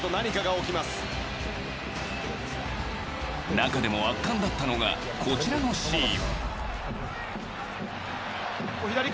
中でも圧巻だったのがこちらのシーン。